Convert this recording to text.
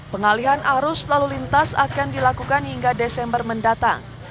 pengalihan arus lalu lintas akan dilakukan hingga desember mendatang